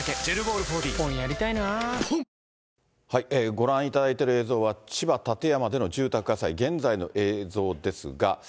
ご覧いただいている映像は、千葉・館山での住宅火災、現在の映像ですが。